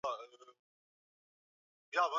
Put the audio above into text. Mhandisi alitengeneza runinga yake